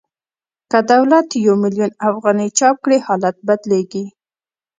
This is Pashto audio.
که دولت یو میلیون افغانۍ چاپ کړي حالت بدلېږي